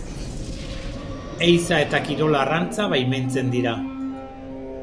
Ehiza eta kirol-arrantza baimentzen dira.